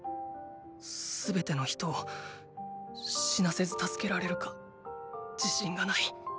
全ての人を死なせず助けられるか自信がない。